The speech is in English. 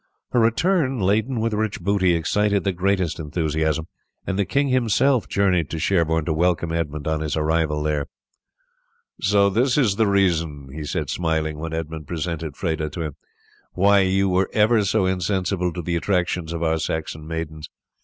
Her return laden with rich booty excited the greatest enthusiasm, and the king himself journeyed to Sherborne to welcome Edmund on his arrival there. "So this is the reason," he said smiling, when Edmund presented Freda to him, "why you were ever so insensible to the attractions to our Saxon maidens!